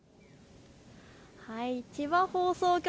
千葉放送局